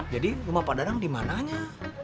jadi rumah pak dadang dimananya